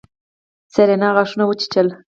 سېرېنا غاښونه وچيچل.